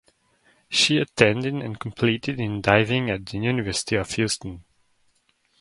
She attended and competed in diving at the University of Houston.